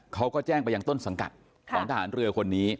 เขาก็แจ้งไปยังต้นสังกัดของทหารเรือคนนี้